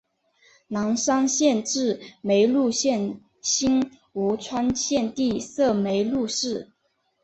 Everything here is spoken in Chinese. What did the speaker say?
南山县治梅菉镇析吴川县地设梅菉市。